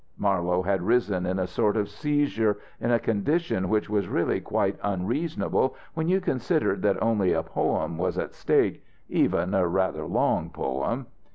Marlowe had risen in a sort of seizure, in a condition which was really quite unreasonable when you considered that only a poem was at stake, even a rather long poem.